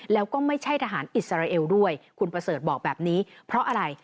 แล้วก็ไม่ใช่ทหารอิสราเอลด้วยคุณประเสริฐบอกแบบนี้เพราะอะไร